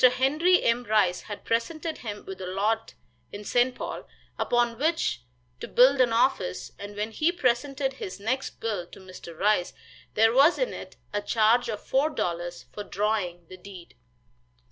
Henry M. Rice had presented him with a lot in St. Paul, upon which to build an office, and when he presented his next bill to Mr. Rice there was in it a charge of four dollars for drawing the deed.